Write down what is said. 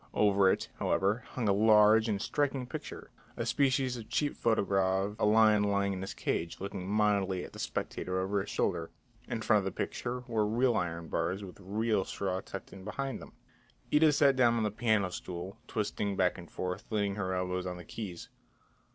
Over it, however, hung a large and striking picture, a species of cheap photogravure, a lion lying in his cage, looking mildly at the spectator over his shoulder. In front of the picture were real iron bars, with real straw tucked in behind them. Ida sat down on the piano stool, twisting back and forth, leaning her elbows on the keys.